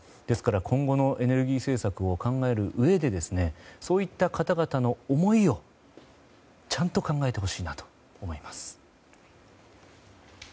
ですから今後のエネルギー政策を考えるうえでそういった方々の思いをちゃんと考えてほしいと思います。